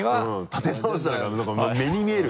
立て直したのが目に見える。